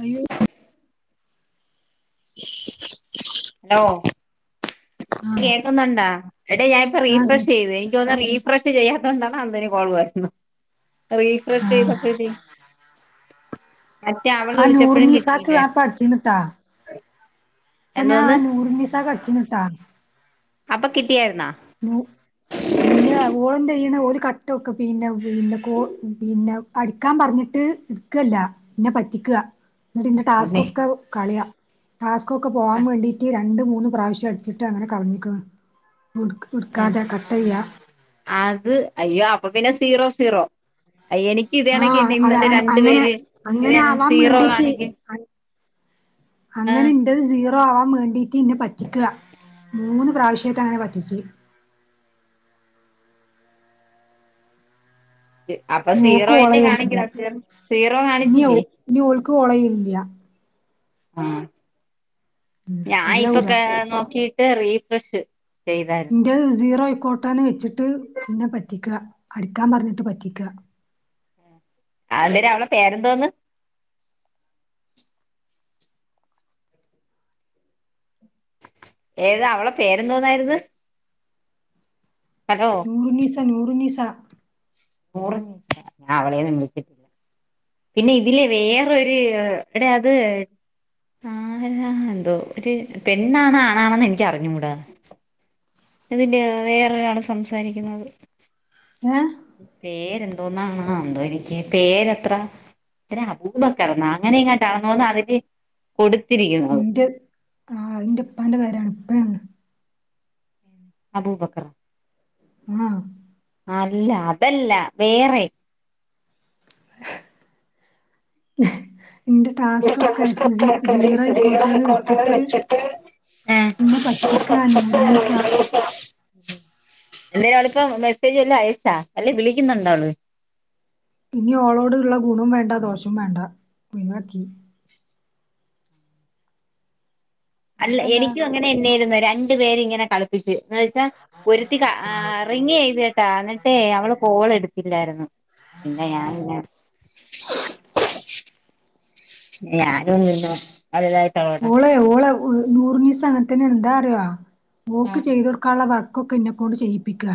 അയ്യോ ഹലോ. ആ കേൾക്കുന്നുണ്ടാ എടൊ ഞാനിപ്പ ആ റീഫ്രഷ് ചെയ്ത്. ഇത് ഒന്ന് റീഫ്രഷ് ചെയ്യാത്തോണ്ടാണ് അന്തിന് കോള്ന്നത്. ആ റീഫ്രഷ് ചൈതപ്പേ തിന് [unintelligible] ആ നൂറ് മീസാക് ഞാ പഠിച്ചീന്ട്ടാ. അപ്പൊ ഞാൻ എന്തോന്ന് നൂറുനിസാക്ക് അടിച്ചിനുട്ടാ. അപ്പൊ കിട്ടിയായിരുന്നാ. ഇന്ന ഓളന്തയ്യണെ ഒരു കട്ടൊക്കെ പിന്നെ പിന്നെ കോ പിന്നെ. പഠിക്കാ പറഞ്ഞിട്ട് എടുക്കല്ല പിന്നെ പറ്റിക്ക. എന്നിട്ട്ന്റെ തന്നെ ടാസ്ക്ഒക്കെ കളയ ടാസ്ക്ഒക്കെ പോകാ വേണ്ടീട്ട്. രണ്ട് മൂന്ന് പ്രാവശ്യം അടിച്ചിട്ട് അങ്ങനെ കളഞ്ഞ്ക്കാ ഇട്ക്കാതെ കട്ട് ചെയ്യ. അത് അയ്യോ അപ്പൊ പിന്നെ സീറോ സീറോ അയ്യ എനിക്ക്. ഇതേണക്ക് ആഹ് തന്നെ അ ഇന്നലെ രണ്ടു അങ്ങനെ പേര് അങ്ങനെ ഇതാണ് സീറോ ആവാമേണ്ടീട്ട്. കാണിക്ക് ആ അങ്ങനെ. ഇൻ്റത് സീറോ ആവാൻ വേണ്ടിയിട്ട് ഇന്നെ പറ്റിക്കുക മൂന്ന് പ്രാവശ്യത്തെ അങ്ങനെ പറ്റിച്ച്. അപ്പൊ സീറോ ഓക്ക് അല്ലേ കൊളയില്ല കാണിക്കുന്ന സീറോ സീറോ ഞ്ഞി കാണിച്ചില്ലേ ഓക്ക് കൊളയിലില്ല. [inaudible] ആഹ് ഞനിപ്പൊ ശരിയാവൂല നോക്കിയിട്ട് റീഫ്രഷ്. ചെയ്തായിരുന്നു ഇന്റെ സീറോ ആയിക്കോട്ടെന്ന് വെച്ചിട്ട് എന്നെ പറ്റിക്ക അടിക്കാൻ പറഞ്ഞിട്ട് പറ്റിക്ക. അന്തേരം അവളെ പേരെന്തോന്ന്. ഏത് അവളെ പേരെന്തോ ന്നായിരുന്നു? ഹലോ. നൂറുനിസ നൂറുനിസ. നൂറ അവളേന്ന് വിളിച്ചിട്ടില്ല. പിന്നെ ഇതിലെ വേറൊരു എവിടെ അത്. ആരാ എന്തോ ഒരു പെണ്ണാണ് ആണാണെന്ന് എനിക്ക് അറിഞ്ഞുടാ. ഇതിന്റെ വേറെ ഒരാള് സംസാരിക്കുന്നത്. ഏഹ് പേരെന്തോന്നാണ് എന്തോ എനിക്ക് പേരെത്ര. എന്താ അബൂബക്കറന്നാ അങ്ങനെ എങ്ങണ്ടാ ണെന്ന് തോനുന്നു അതില്. കൊടുത്തിരി എന്റെ ആ എൻ്റെപ്പാന്റെ പേരാണ് ഇന്റെ ഇപ്പാണ്. അബൂബക്കർ. ആഹ് അല്ല അതല്ല വേറെ. എന്റെ ടാസ്ക് ഒക്കെ ആ സ്ക്രിപ്റ്റ് ആക്കി ജീ സീറോ ജീടെ ആയിക്കോട്ടെന്ന് ഹൈക്കോർട്ടിൽ വെച്ചിട്ട്. ആഹ് എന്നെ പറ്റിക്ക നൂറുനിസ. എന്താലും അവളിപ്പ മെസ്സേജ് വല്ലാം അയച്ചാ അല്ലേ വിളിക്കുന്നുണ്ടോ അവള്. ഇനി ഓളോടുള്ള ഗുണവും വേണ്ട ദോഷം വേണ്ട ഒഴിവാക്കി. അല്ല വേറെന്താ എനിക്കും അങ്ങനെന്നെയായിരുന്നു രണ്ടു പേര് ഇങ്ങനെ കളിപ്പിച്ച് എന്ന് വെച്ചാ. ഒരുത്തി റിങ്ങ് ചെയ്തുട്ടാ ന്നിട്ടേ അവള് കോളെടുത്ത ല്ലായിരുന്നു പിന്നെ ഞാൻ പിന്നെ. ഞാനും പിന്നെ [unintelligible] ഓള് നൂറുനീസ അങ്ങനത്തനേ ണ് എന്താ അറിയോ ഓക്ക് ആ ചെയ്ത. ടുക്കാള്ള വർക്കൊക്കെ ഇന്നെക്കൊണ്ട് ചെയ്യിപ്പിക്കുക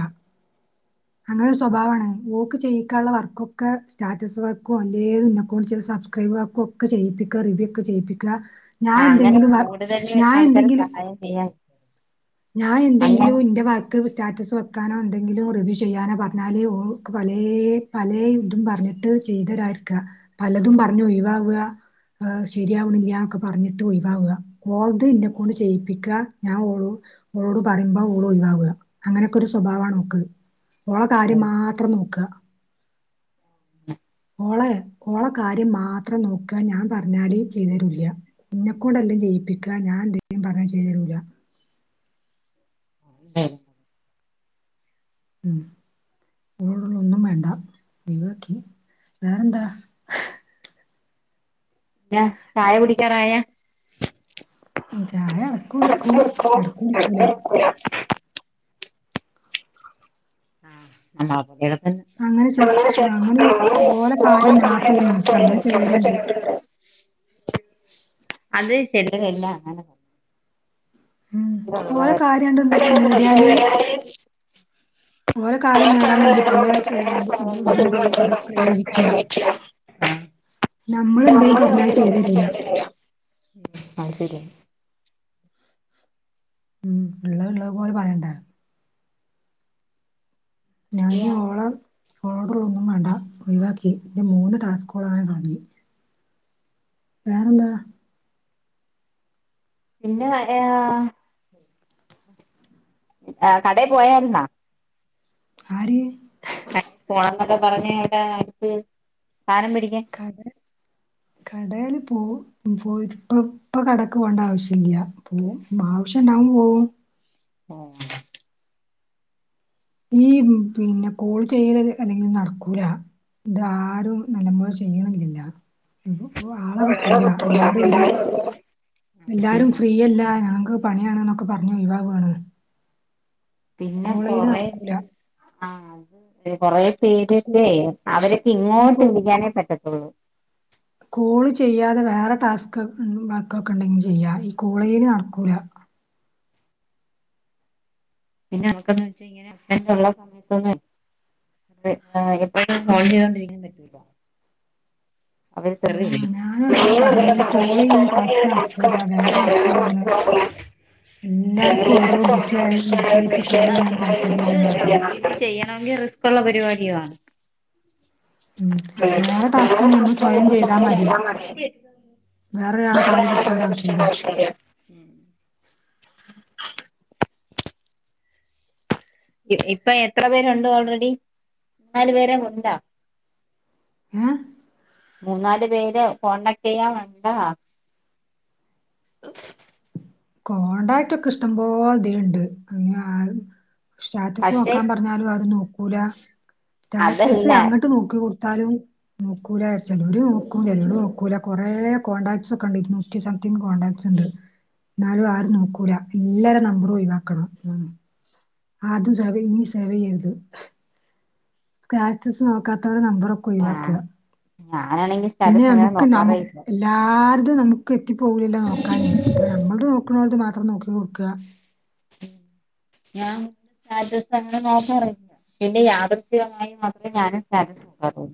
അങ്ങനെ ഒരു സ്വഭാവമാണ് ഓക്ക് ചെയ്യി ഒക്കെയള്ള വർക്കൊക്കെ സ്റ്റാറ്റസ് വർക്കും എല്ലേതും അക്കൗണ്ട് ചില സബ്സ്ക്രൈബ് വർക്കും ഒക്കെ ചെയ്യിപ്പിക്കും. റിവിയൊക്കെ ചെയ്യിപ്പിക്കുക. ഞാൻ ആ അങ്ങനെ എന്തെങ്കിലും കൂടുതല് ഞാൻ ആൾക്കാര് എന്തെങ്കിലും സഹായം ചെയ്യാൻ ഞാൻ എന്തെങ്കിലും അങ്ങനെ ഇന്റെ വർക്ക് സ്റ്റാറ്റസ് വെക്കാനോ എന്തെങ്കിലും റിവ്യൂ ചെയ്യാനോ പറ ന്നാലെ ഓൾക്ക്പലേ പലേ ഇതും പറഞ്ഞിട്ട് ചെയ്തരായിരിക്ക. പലതും പറഞ്ഞു ഒയിവാവ. ശരിയാവണില്ലൊക്കെ പറഞ്ഞിട്ട് ഒഴവാവുക ഓളത് ഇന്നെക്കൊണ്ട് ചെയ്യിപ്പിക്കുക ഞാൻ ഓളൂ ഓളോട് പറയുമ്പോ ഓള് ഒഴിവാവ അങ്ങനെയൊക്കെ ഒരു സ്വഭാവമാണ് ഒക്ക് ഓള കാര്യം മാത്രം. മാത്രം നോക്ക. [unintelligible] ഓളെ ഓള കാര്യം മാത്രം നോക്ക ഞാൻ പറഞ്ഞാല് ചെയ്തെ രൂല്ല. എന്നന്നെക്കൊണ്ടല്ലാം ചെയ്യിപ്പിക്ക ഞാൻ എന്തെങ്കിലും പറഞ്ഞാ ചെയ്തെരൂല. [unintelligible] [unintelligible] ഒന്നും വേണ്ട ഒഴിവാക്കി വേറെന്താ ചായ കുടിക്കാറായ ചായ എടക്ക് കുടിക്കും എടക്ക് കുടിക്കൂല [unintelligible] ഉം [unintelligible] അങ്ങനെ അങ്ങനെ ചെ ചെലോര് അങ്ങനെ [unintelligible] ഓലെ കാര്യം മാത്രം ഓല് നോക്കാ അങ്ങനെ ചെലോരുണ്ട് ചെലോര് ഇണ്ട്. അത് ചെല്ല്ണില്ല അങ്ങനെ. ഉം ഓലെ കാര്യണ്ട് നെ നേടിയാല് [unintelligible] ഓലെ കാര്യം നേടാൻ വേണ്ടി പല ഇതും പ്ര പ്ര പ്രയോഗിച്ച അത് നമ്മൾ എന്തേ പർഞ്ഞാൽ ചെയ്തു തരൂല ഉം അയ്‌ ശരിയ. ഉം ഉള്ള ഉള്ളെ പോലെ പറയണ്ടേ ഞാൻ ഓള ഓർഡർ ഒന്നും വേണ്ട ഒഴിവാക്കി എന്റെ മൂന്ന് ട്ടാസ്കോള ൻ കാണി വേറെ എന്താ പിന്നെ ആ കടയിൽ പോയായിരുന്നാ? ആര് പോണം എന്നൊക്കെ പറഞ് ലേ അടുത്ത് സാനം മേടിക്കാ കട കടൽ പോ പോ ഇപ്പ ഇപ്പ കടക്ക് പോകേണ്ട ആവശ്യ ഇല്ല പോ ആവശ്യംണ്ടാവുമ്പോ പോവും ആ ഈ പിന്നെ കോൾ ചെയ്യരുത് അല്ലെങ്കിൽ നടക്കൂല. ഇത് ആരും നല്ല പൊലെ ചെയ്യണില്ലില്ല ആളെ കിട്ടൂല എല്ലാരും ഒരു എല്ലാരും ഫ്രീയല്ല ഞക്ക് പണിയാണ് ന്നൊക്കെ പറഞ്ഞു ഒഴിവാവാണ് കോളയില് നടക്കൂല ആഹ് അത് കൊറെ ഇപ്പൊ പേരൊക്കെ അവരൊക്കെ ഈ ഇങ്ങോട്ട് കോ വിളിക്കാനേ പറ്റത്തുള്ളൂ കോള് ചെയ്യാതെ വേറെ ടാസ്ക് വർക്കൊക്കെ ഉണ്ടെങ്കിൽ ചെയ്യാ ഈ കോളിന് നടക്കൂല പിന്നെ അവക്കന്ന്വച്ച ഇങ്ങനെ ഒള്ള സമയത്തൊന്ന് എപ്പഴും ഹോൾഡ് ചെയ്തോണ്ടിരിക്ക്ണ്ട് അവര് തറി [unintelligible] [inaudible] ആഹ് ഞാനും അതന്നെ പറഞ്ഞെ ഈ കോൾ ചെയ്യണ ടാസ്ക് നടക്കൂല വേറെ നടക്കുള്ളൂന്ന് എല്ലാർക്കും ഓരോ ബിസി ആയ ബിസി ആയിട്ട് കോൾ ചെയ്യാൻ താല്പര്യമില്ലന്ന് പറഞ്ഞത് ചെയ്യണങ്കിൽ റിസ്ക്ള്ള പരിപാടിയണ് ഉം വേറെ ടാസ്കാണ് നമ്മൾ സ്വയം ചെയ്താ മതി വേറൊരാളെ കാല് പിടിച്ചേണ്ട ആവശ്യല്ല അതെ ഇ ഇപ്പൊ എത്ര പേരുണ്ട് ഓൾറെഡി നാലു പേരെ ഉണ്ടോ? ഏഹ് മൂന്നാല് പേര് കോൺടാക്ട് ചെയ്യാ വന്നത കോടാക്ട് ഒക്കെ ഇഷ്ട പോോ അതുണ്ട് അങ്ങ സ്റ്റാറ്റസ് പക്ഷെ നോക്കാൻ പറഞ്ഞാലും അത് നോക്കൂല സ്റ്റാറ്റസ് അതല്ല അങ്ങോട്ട് നോക്കിടു താലും നോക്കൂല ചലര് നോക്കൂ ചലൂർ നോക്കൂല കൊറേ കോൺടാക്ട്സ് ഒക്കെ ഉണ്ട് ഇ നൂറ്റി സംതിങ് കോൺണ്ടാക്ട്സ് ഉണ്ട് നാലും ആരും നോക്കൂല എല്ലാര നമ്പറും ഒഴിവാക്കണം ന്നാണ് അത് സവ നീ സേവ ഴര്ത് സ്റ്റാറ്റസ് നോക്കാത്തവരു നമ്പറൊക്കെ ഒഴിവാക്കുക ഞാനാണെങ്കിൽ സ്റ്റാറ്റസ്ങ്ങനെ നോക്കാറേയില്ല എല്ലാവരുും നമുക്ക് എത്തി പോകില്ലോ നോക്കാനേ അപ്പൾ നമ്മളത് നോക്കണോത് മാത്രം നോക്കി കൊടുക്കുക. ഞാൻ സ്റ്റാറ്റസ് അങ്ങനെ നൊക്കറേയില്ല പിന്നെ യാദർഥ്യികമായി മാത്രേ ഞാനും സ്റ്റാൻസ് ക്കാറുള്ളൂ.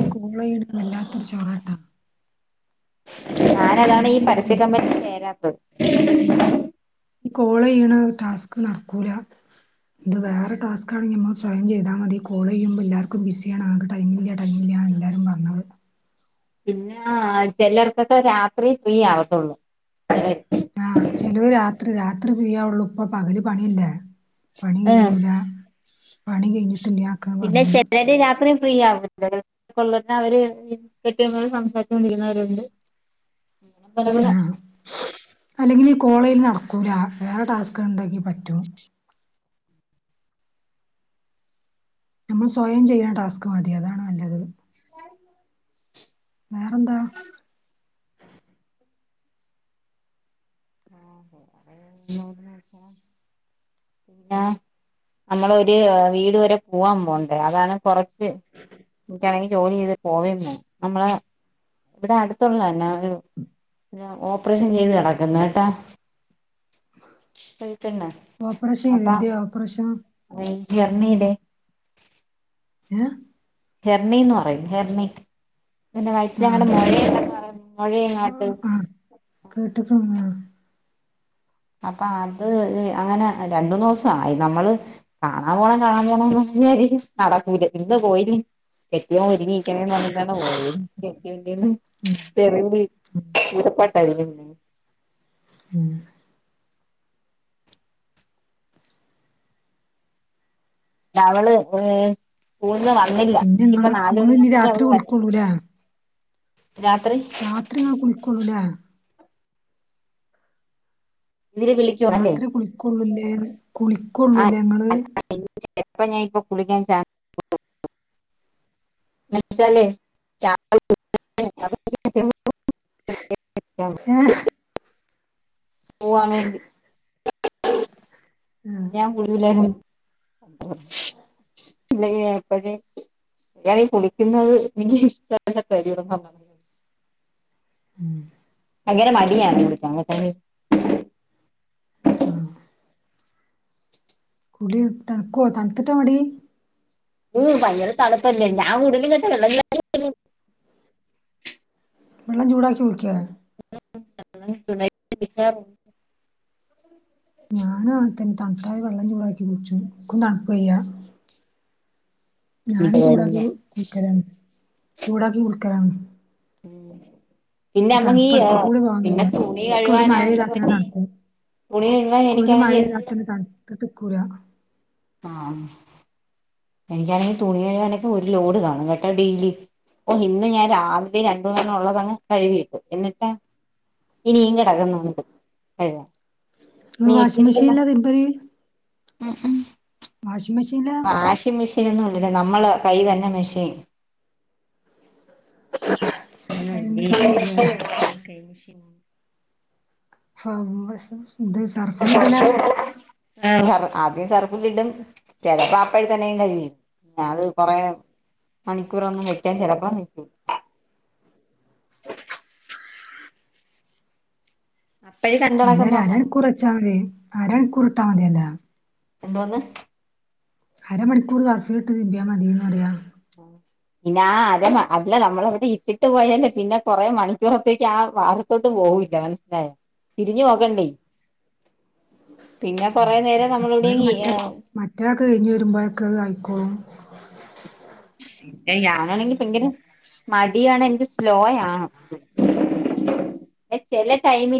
ഈ കോളയ് വല്ലാത്തൊരു ചോറാട്ടാ കോൾ ഞാനതാണ് ഈ പരസ്യ ചെയ്യണേ കമ്പനി ചേരാത്തത്. ഈ കോള് ചെയ്യണ ടാസ്ക് നടക്കൂല ഇത് വേറെ ട്ടാസ്ക് ആണെങ്കി നമ്മൾ സ്വയം ചെയ്‌ത മതി കോളോയ്യുമ്പോ എല്ലാർക്കും ബിസി ആണ് ആകെ ടൈമില്ല ടൈമില്ലാ എല്ലാരും പർഞ്ഞത് പിന്നെ ചിലർക്കൊക്കെ രാത്രി ഫ്രീ ആവത്തുള്ളൂ ആഹ് ചെലലൊവര് രാത്രി രാത്രി ഫ്രീയാവുള്ളൂ ഇപ്പൊ പകല് പണിയല്ലേ പണി ഉം കഴൂല പണി കഴിഞ്ഞിട്ടില്ല ആക്കാ പിന്നെ പറഞ്ഞത് ചെലര് രാത്രി ഫ്രീ ആവില്ല കൊള്ള തന്നെ അവര് കെട്ടിയ സംസാരിച്ചുകൊണ്ടിരിക്കുന്നവരുണ്ട് ആ [unintelligible] അല്ലെങ്കിൽ ഈ കോളേജിൽ നടക്കൂല വേറെ ടാസ്ക് ണ്ടെങ്കി പറ്റും. നമ്മൾ സ്വയം ചെയ്യ്ണ ട്ടാസ്ക് മതി അതാണ് നല്ലത് [unintelligible] വേറെന്താ ആഹ് [unintelligible] പിന്നെ നമ്മളൊരു വീട് വരെ പോവാൻ പോണ്ട് അതാണ് കുറച്ച് ഇൻക്കാണെങ്കി ജോലി ചെയ്ത് പോവെര്ന്നു നമ്മളെ ഇവിടെ അടുത്തുള്ളതന്നെ ഓ ഓപ്പറേഷൻ ചെയ്ത് കടക്കുന്ന് കേട്ടാ അപ്പ പ്രഷം [unintelligible] ഏഹ് ഹെർണി ന്ന് പറയും ഹെർണി പിന്നെ വയറ്റില് എങ്ങാണ്ടോ ആ മോയെ [unintelligible] എങ്ങാണ്ട് കേട്ട്ക്കുന്ന് അപ്പൊ അത് അങ്ങനെ രണ്ടൂന്ന് ദിവസായി നമ്മള് കാണാൻ പോണം കാണാൻ പോണന്ന് [unintelligible] നടക്കൂല ഇന്ന് [unintelligible] കെട്ടിയോൻ ഒരുങ്ങിയിരിക്കണേന്ന് പറഞ്ഞിട്ടാണ് പോയത് കെട്ടിയോന്റെ ന്ന് ഉം ഉം [unintelligible] ഉം [unintelligible] സ്കൂൾന്ന് വന്നില്ല പിന്നെ ഇനിയിപ്പൊ ഇങ്ങള് ഇങ്ങള് ഇനി രാത്രി [unintelligible] വര കുളിക്കൊള്ളൂലേ രാത്രി രാത്രിങ്ങള് കുളിക്കൊള്ളൂ ലെ ഇതില് വിളിക്കുവോ അല്ലേ രാത്രി കുളിക്കൊള്ളൂ ല്ലേ കുളിക്കൊള്ളൂ ലെ ഇങ്ങള് ചെൽപ്പം ഞാൻ ഇപ്പൊ കുളിക്കാൻ ചാ [unintelligible] [unintelligible] ഏഹ് പോവാൻ വേണ്ടി ആഹ് ഞാൻ [unintelligible] [unintelligible] ഞാനീ കുളിക്കുന്നത് എനിക്ക് ഇഷ്ല്ലാത്ത കര്യാണ് ഉം ഭയങ്കര മടിയാണ് [unintelligible] ആഹ് കുളി തൺക്കുവോ തണുത്തിട്ടാ മടി ഉം ഭയങ്കര തണുപ്പല്ലേ [unintelligible] വെള്ളം ചൂടാക്കി കുളിക്കെ എനിക്ക് ഞാൻ അങ്ങൻത്തെന്നെ തണുത്തായി വെള്ളം ചൂടാക്കി കുളിച്ചു ഇക്കും തണുപ്പ് വയ്യ ഞാനും ചൂടാക്കി കുളിക്കരാണ് ചൂടാക്കി കുളക്കരാണ് ഉ പിന്നെ നമ്മക്കീ തണുപ്പ് അടുത്ത് കൂടി പോകാൻ പിന്നെ വയ്യ തു തുണി ഇക്ക് ഒരു കഴുവൻ മഴെയ്താ [unintelligible] തന്നെ തണുക്കും കുളികയുബൊ എനിക്കായി എന്നും തട്ട കൂല ആ എനിക്കാണെങ്കിൽ തുണി കഴുവാനൊക്കെ ഒരു ലോഡ് കാണും കേട്ടാ ഡെയിലി ഓ ഇന്ന് ഞാൻ രാവിലെ രണ്ട തണ ഉള്ളതങ്ങ് കഴുകി ഇട്ടു എന്നിട്ടാ ഇനിയും കിടക്കുന്നുണ്ട് ഇങ്ങള് വാഷിംഗ് നീട്ടിരിക്കുന്ന മെഷീനിലാ തിരുമ്പല് ഉം ഉം വാഷി് മെഷീലാ ആ വാഷിംഗ് മെഷീൻ ഒന്നും ഇല്ല നമ്മളേ കൈ തന്നെ മെഷീൻ ആ ആ വ മെഷീ കൈ. മെഷീൻ ഫഹ്മസ ആദ്യം സർപ്പു ഇടും ചെലപ്പോ അപ്പഴ തന്നെയും കഴിയും ഞാനി ത് കൊറെയെ മണിക്കൂർ ഒന്നും വയ്ക്കാൻ ചെലപ്പോ നിൽക്കൂ അപ്പഴ ക അല്ലരു അരണക്കുറച്ചാൽ മതി അരണിക്കൂറിട്ടാൽ മതിയല്ലൊ എന്തോന്ന് അരമണിക്കൂർ സർഫിലിട്ട് തിരിമ്പിയാ മതിയന്ന് പറിയ ആ പിന്നെ ആ അര അതില്ല നമ്മള അവിടെ ഇട്ടിട്ട് പോയല്ലേ പിന്നെ കൊറെ മണിക്കൂറത്തേക്ക് ആ വാർ തോട്ട് പോവൂല്ല മനസ്സിലായ തിരിഞ്ഞു നോക്കണ്ടേ പിന്നെ കൊറേ നേരം നമ്മളിവിടെ അപ്പോഴൊക്കെ മറ്റേ മറ്റേൊക്കെ കഴിഞ്ഞ് വരുമ്പോഴൊക്കെത് ആയിക്കോളും ഞാനാണെങ്കിൽ ഭയങ്കര മടിയണ എക്ക് സ്ലോയാണ് ചെല ടൈമ